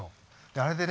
あれでね